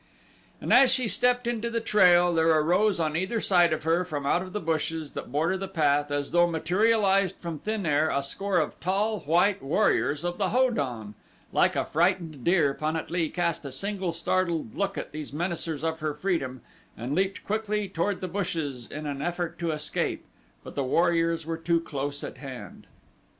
And as she stepped into the trail there arose on either side of her from out of the bushes that border the path, as though materialized from thin air, a score of tall, white warriors of the Ho don. Like a frightened deer Pan at lee cast a single startled look at these menacers of her freedom and leaped quickly toward the bushes in an effort to escape; but the warriors were too close at hand.